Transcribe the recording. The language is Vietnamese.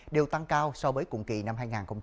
đều tăng cao so với cùng kỳ năm hai nghìn hai mươi ba